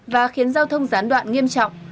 và khiến giao thông gián đoạn nghiêm trọng